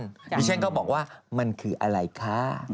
คุณผู้ชมจะขอบอกว่ามันคืออะไรค่ะ